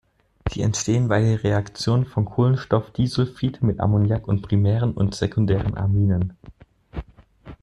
Sie entstehen bei der Reaktion von Kohlenstoffdisulfid mit Ammoniak und primären und sekundären Aminen.